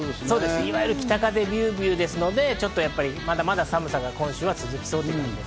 いわゆる北風ビュービューですので、まだまだ今週は寒さが続きそうです。